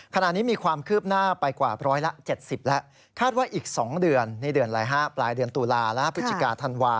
ขณะนี้มีความคืบหน้าไปกว่า๑๗๐แล้ว